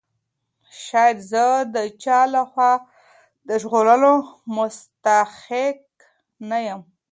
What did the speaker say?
شاید زه د چا له خوا د ژغورلو مستحق نه یم.